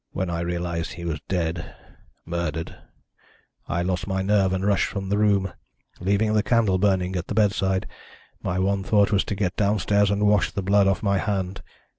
"When I realised that he was dead murdered I lost my nerve and rushed from the room, leaving the candle burning at the bedside. My one thought was to get downstairs and wash the blood off my hand.